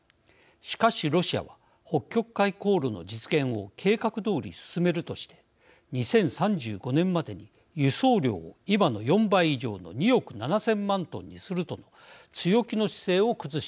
しかしロシアは北極海航路の実現を計画どおり進めるとして２０３５年までに輸送量を今の４倍以上の２億７，０００万トンにするとの強気の姿勢を崩していません。